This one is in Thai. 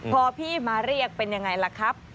พอพี่มาเรียกเป็นยังไงล่ะครับ